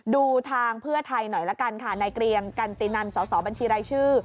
ดูทางเพื่อไทยหน่อยละกันค่ะในเกรียงกันตินันสสบัญชีรายชื่อ